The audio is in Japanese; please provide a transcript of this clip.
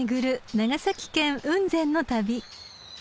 長崎県雲仙の旅］